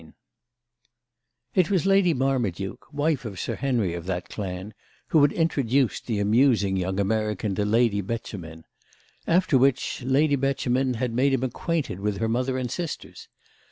II It was Lady Marmaduke, wife of Sir Henry of that clan, who had introduced the amusing young American to Lady Beauchemin; after which Lady Beauchemin had made him acquainted with her mother and sisters.